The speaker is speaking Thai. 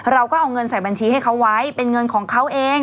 เราก็เอาเงินใส่บัญชีให้เขาไว้เป็นเงินของเขาเอง